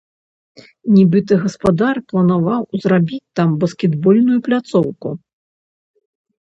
Нібыта, гаспадар планаваў зрабіць там баскетбольную пляцоўку.